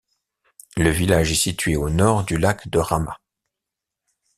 Le village est situé au nord du lac de Rama.